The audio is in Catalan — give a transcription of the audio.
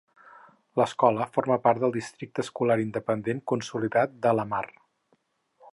L'escola forma part del districte escolar independent consolidat de Lamar.